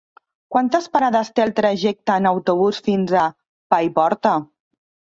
Quantes parades té el trajecte en autobús fins a Paiporta?